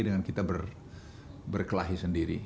dengan kita berkelahi sendiri